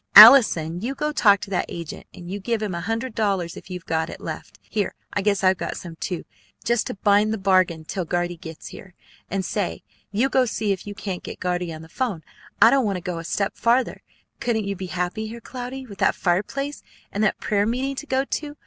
Allison, you go talk to that agent, and you give him a hundred dollars if you've got it left here, I guess I've got some, too just to bind the bargain till Guardy gets here. And say, you go see if you can't get Guardy on the 'phone. I don't want to go a step farther. Couldn't you be happy here, Cloudy, with that fireplace, and that prayer meeting to go to?